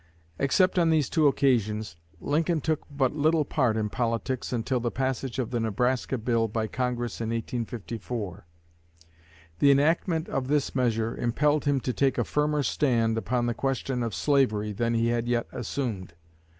Except on these two occasions, Lincoln took but little part in politics until the passage of the Nebraska Bill by Congress in 1854. The enactment of this measure impelled him to take a firmer stand upon the question of slavery than he had yet assumed.